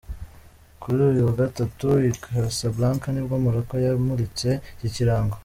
Kuri uyu wa Gatatu i Casablanca nibwo Maroc yamuritse iki kirango.